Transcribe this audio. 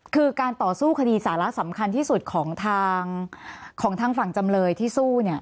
คือการต่อสู้คดีสาระสำคัญที่สุดของทางฝั่งจำเลยที่สู้